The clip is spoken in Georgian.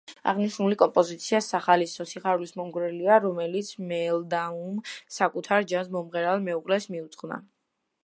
აღნიშნული კომპოზიცია სახალისო, სიხარულის მომგვრელია, რომელიც მელდაუმ საკუთარ ჯაზ-მომღერალ მეუღლეს მიუძღვნა.